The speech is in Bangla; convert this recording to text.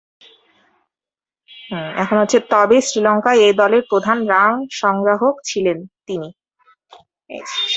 তবে, শ্রীলঙ্কা এ দলের প্রধান রান সংগ্রাহক ছিলেন তিনি।